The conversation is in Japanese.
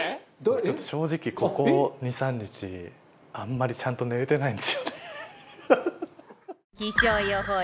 ちょっと正直ここ２３日あんまりちゃんと寝れてないんですよね。